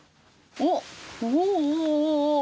おおおお。